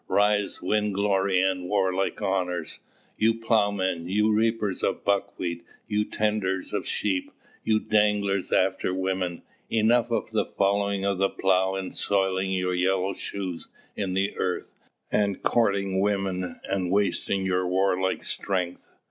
Rise, win glory and warlike honours! You ploughmen, you reapers of buckwheat, you tenders of sheep, you danglers after women, enough of following the plough, and soiling your yellow shoes in the earth, and courting women, and wasting your warlike strength!